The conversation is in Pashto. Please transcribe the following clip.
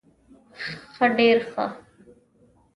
ښه ډير ښه